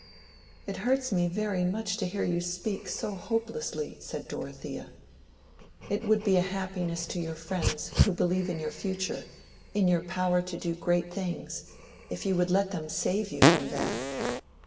"It hurts me very much to hear you speak so hopelessly," said Dorothea. "It would be a happiness to your friends, who believe in your future, in your power to do great things, if you would let them save you from that.